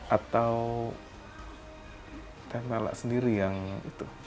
atau teh malak sendiri yang itu